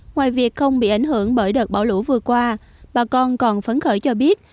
ngoài việc không bị ảnh hưởng bởi đợt bão lũ vừa qua bà con còn phấn khởi cho biết